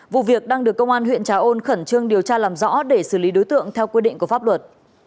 vụ việc đang được công an huyện trà ôn khẩn trương điều tra làm rõ để xử lý đối tượng theo quy định của pháp luật